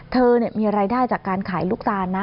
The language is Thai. เธอมีรายได้จากการขายลูกตาลนะ